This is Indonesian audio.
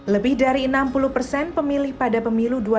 lebih dari enam puluh persen pemilih pada pemilu dua ribu dua puluh empat